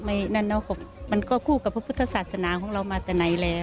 นั่นเนาะมันก็คู่กับพระพุทธศาสนาของเรามาแต่ไหนแล้ว